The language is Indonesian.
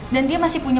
dan dia masih punya